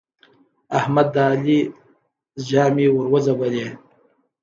احمد د علي ژامې ور وځبلې.